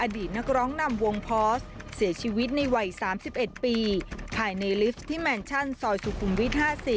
นักร้องนำวงพอสเสียชีวิตในวัย๓๑ปีภายในลิสต์ที่แมนชั่นซอยสุขุมวิท๕๔